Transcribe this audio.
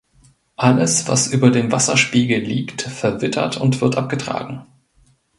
Alles was über dem Wasserspiegel lieg verwittert und wird abgetragen.